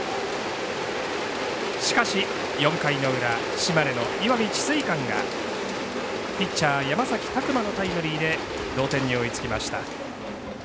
しかし、４回の裏島根の石見智翠館がピッチャー山崎琢磨のタイムリーで同点に追いつきました。